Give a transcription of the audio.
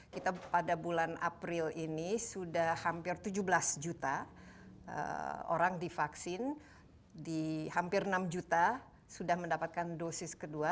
kita pada bulan april ini sudah hampir tujuh belas juta orang divaksin di hampir enam juta sudah mendapatkan dosis kedua